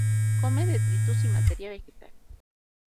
Come detritus y materia vegetal.